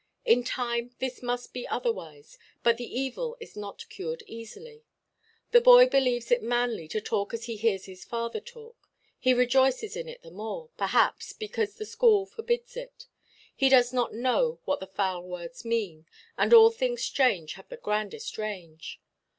In time this must be otherwise; but the evil is not cured easily. The boy believes it manly to talk as he hears his father talk; he rejoices in it the more, perhaps, because the school forbids it. He does not know what the foul words mean; and all things strange have the grandest range.